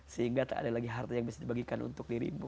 sehingga tak ada lagi harta yang bisa dibagikan untuk dirimu